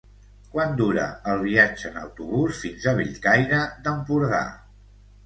Quant dura el viatge en autobús fins a Bellcaire d'Empordà?